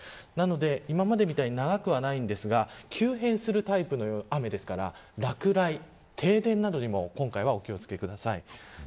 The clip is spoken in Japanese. なので、今までみたいに長くはないですが急変するタイプの雨ですから落雷、停電などにもお気を付けください。